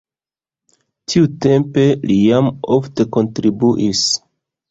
Tiutempe li jam ofte kontribuis.